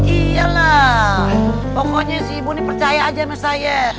iyalah pokoknya si ibu ini percaya aja sama saya